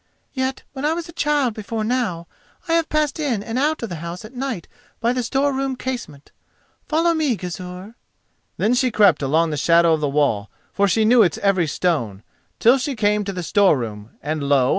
Yet when I was a child before now I have passed in and out the house at night by the store room casement. Follow me, Gizur." Then she crept along the shadow of the wall, for she knew it every stone, till she came to the store room, and lo!